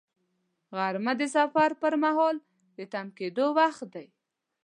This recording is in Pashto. غرمه د سفر پر مهال د تم کېدو وخت دی